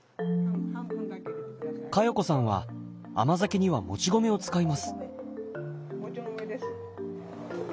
加代子さんは甘酒にはもち米を使います。